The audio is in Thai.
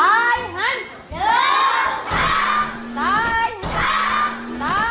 ตายหันลูกค้า